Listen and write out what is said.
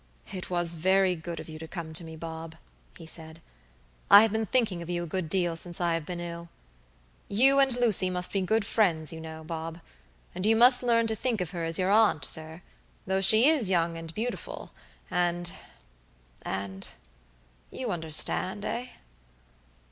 "It was very good of you to come to me, Bob," he said. "I have been thinking of you a good deal since I have been ill. You and Lucy must be good friends, you know, Bob; and you must learn to think of her as your aunt, sir; though she is young and beautiful; andandyou understand, eh?"